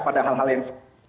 pada hal hal yang